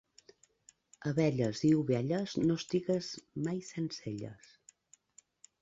Abelles i ovelles, no estigues mai sense elles.